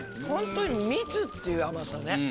本当に蜜っていう甘さね。